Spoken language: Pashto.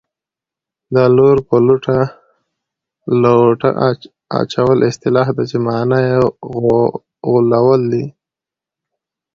د لور په لوټه اچول اصطلاح ده چې مانا یې غولول دي